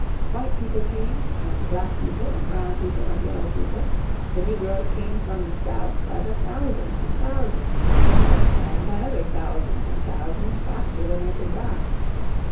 White people came, and black people and brown people and yellow people; the negroes came from the South by the thousands and thousands, multiplying by other thousands and thousands faster than they could die.